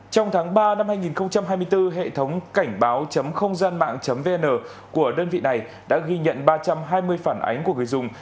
trong tháng ba năm hai nghìn hai mươi bốn hệ thống cảnh báo không gian mạng vn của đơn vị này đã ghi nhận ba trăm hai mươi phản ánh của người dùng